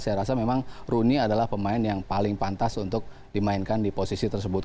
saya rasa memang rooney adalah pemain yang paling pantas untuk dimainkan di posisi tersebut